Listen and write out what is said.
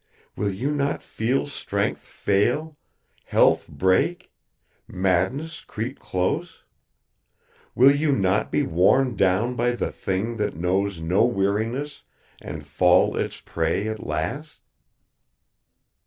Will you not feel strength fail, health break, madness creep close? Will you not be worn down by the Thing that knows no weariness and fall its prey at last?"